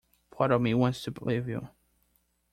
Part of me wants to believe you.